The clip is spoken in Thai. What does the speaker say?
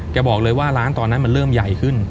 บอกเลยว่าร้านตอนนั้นมันเริ่มใหญ่ขึ้น